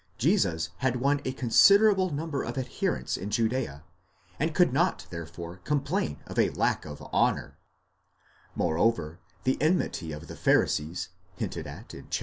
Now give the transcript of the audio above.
Jesus had won a considerable number of adherents in Judea, and could not therefore complain of a lack of honour, τιμή ; Moreover the enmity of the Pharisees, hinted at in iv.